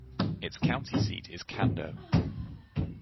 Its county seat is Cando.